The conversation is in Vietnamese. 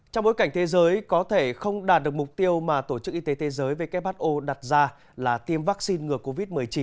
trong bối cảnh thế giới có thể không đạt được mục tiêu mà tổ chức y tế thế giới who đặt ra là tiêm vaccine ngừa covid một mươi chín